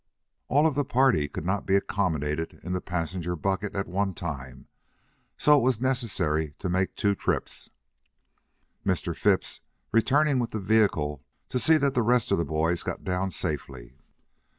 All of the party could not be accommodated in the passenger bucket at one time, so it was necessary to make two trips, Mr. Phipps returning with the vehicle to see that the rest of the boys got down safely.